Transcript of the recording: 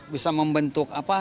bisa membentuk apa